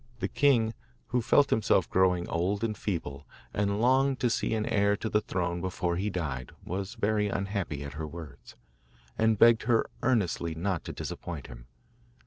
The king, who felt himself growing old and feeble, and longed to see an heir to the throne before he died, was very unhappy at her words, and begged her earnestly not to disappoint him.